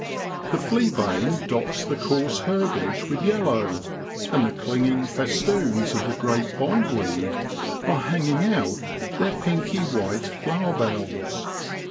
The flea bane dots the coarse herbage with yellow, and the clinging festoons of the great bindweed are hanging out their pinky white flower bells.